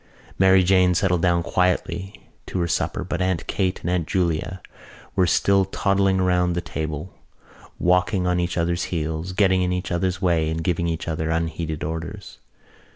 Mary Jane settled down quietly to her supper but Aunt Kate and Aunt Julia were still toddling round the table, walking on each other's heels, getting in each other's way and giving each other unheeded orders.